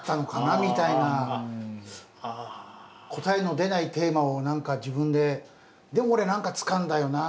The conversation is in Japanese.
答えの出ないテーマを何か自分で「でも俺何かつかんだよな」